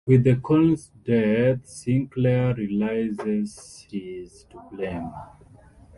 With the colonel's death, Sinclair realises he is to blame.